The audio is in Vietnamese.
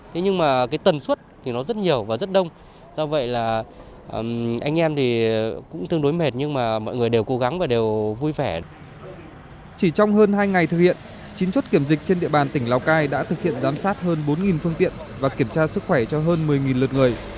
chỉ trong hơn hai ngày thực hiện chín chốt kiểm dịch trên địa bàn tỉnh lào cai đã thực hiện giám sát hơn bốn phương tiện và kiểm tra sức khỏe cho hơn một mươi lượt người